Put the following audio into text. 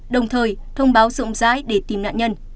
đồng thời thông báo rộng rãi để tìm nạn nhân